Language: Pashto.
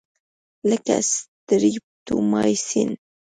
لکه سټریپټومایسین.